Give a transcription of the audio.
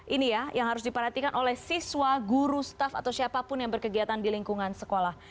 ini ya yang harus diperhatikan oleh siswa guru staff atau siapapun yang berkegiatan di lingkungan sekolah